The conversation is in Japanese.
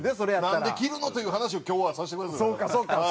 なんで着るの？という話を今日はさせてくださいだから。